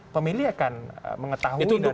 pemilih akan mengetahui dari awal